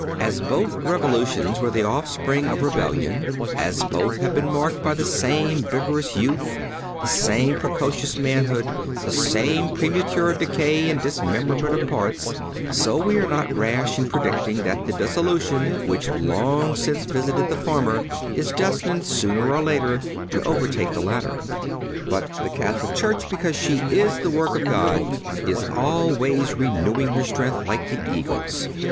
As both revolutions were the offspring of rebellion; as both have been marked by the same vigorous youth, the same precocious manhood, the same premature decay and dismemberment of parts; so we are not rash in predicting that the dissolution which long since visited the former is destined, sooner or later, to overtake the latter. But the Catholic Church, because she is the work of God, is always "renewing her strength, like the eagle's."